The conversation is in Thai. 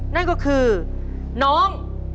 นั่นก็คือน้อง